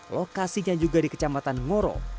lokasinya juga di kecamatan ngoro